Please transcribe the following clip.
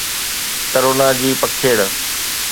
corona جي پکيڙ